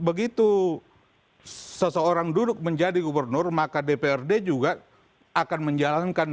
begitu seseorang duduk menjadi gubernur maka dprd juga akan menjalankan